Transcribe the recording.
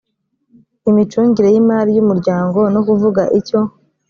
imicungire y imari y umuryango no kuvuga icyo